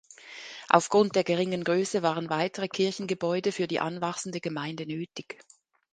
Aufgrund der geringen Größe waren weitere Kirchengebäude für die anwachsende Gemeinde nötig.